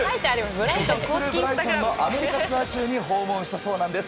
所属するブライトンのアメリカツアー中に訪問したそうなんです。